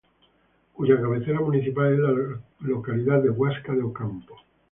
Cuya cabecera municipal es la localidad de Huasca de Ocampo.